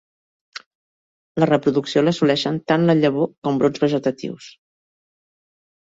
La reproducció l'assoleixen tant la llavor com brots vegetatius.